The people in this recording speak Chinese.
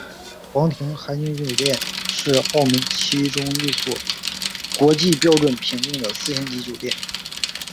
皇庭海景酒店是澳门其中一所国际标准评定的四星级酒店。